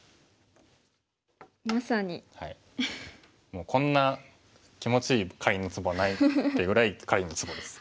もうこんな気持ちいいカリンのツボはないってぐらいカリンのツボです。